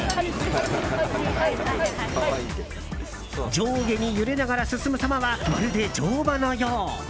上下に揺れながら進むさまはまるで乗馬のよう。